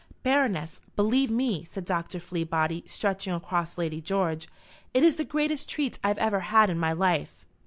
"Baroness, believe me," said Dr. Fleabody, stretching across Lady George, "it is the greatest treat I ever had in my life."